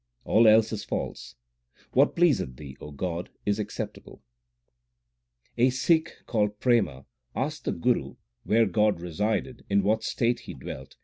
All else is false ; what pleaseth Thee, O God, is accept able. A Sikh called Prema asked the Guru where God resided, in what state He dwelt, and how He 1 Sofiiin.